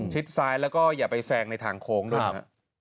ซ้ายแล้วก็อย่าไปแซงในทางโค้งด้วยนะฮะ